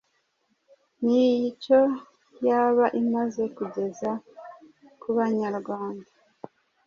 nicyo yaba imaze kugeza ku Banyarwanda.